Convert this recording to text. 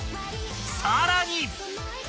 ［さらに］